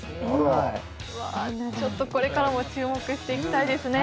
はいちょっとこれからも注目していきたいですね